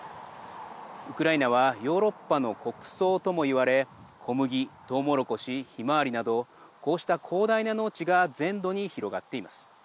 ウクライナはヨーロッパの穀倉ともいわれ小麦、トウモロコシひまわりなどこうした広大な農地が全土に広がっています。